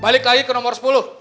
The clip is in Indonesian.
balik lagi ke nomor sepuluh